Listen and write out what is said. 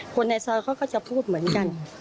คนในซอยเขาก็จะพูดเหมือนกัน